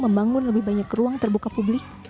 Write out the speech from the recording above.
membangun lebih banyak ruang terbuka publik